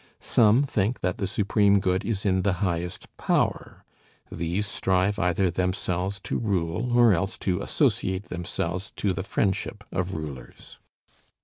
Some think that the supreme good is in the highest power. These strive either themselves to rule, or else to associate themselves to the friendship of rulers.